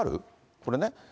これね。